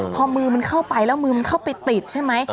พอมือมันเข้าไปแล้วมือมันเข้าไปติดใช่ไหม